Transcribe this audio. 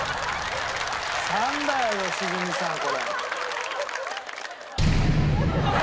３だよ良純さんこれ。